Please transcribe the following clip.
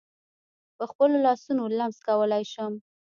په خپلو لاسونو لمس کولای شم.